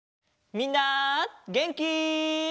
みんなげんき？